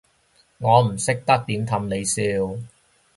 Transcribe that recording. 我唔識得點氹你笑